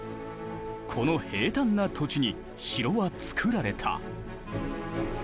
この平坦な土地に城はつくられた。